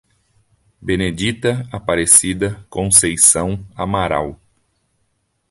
Benedita Aparecida Conceição Amaral